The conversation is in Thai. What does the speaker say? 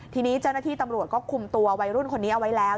ทีนี้เจ้าหน้าที่ตำรวจก็คุมตัววัยรุ่นคนนี้เอาไว้แล้ว